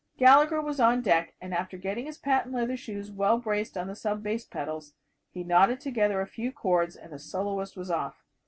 Gallagher was on deck and after getting his patent leather shoes well braced on the sub bass pedals, he knotted together a few chords, and the soloist was off.